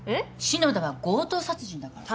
篠田は強盗殺人だから。